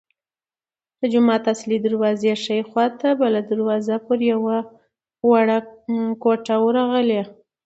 د جومات اصلي دروازې ښي خوا ته بله دروازه پر یوه وړه کوټه ورغلې.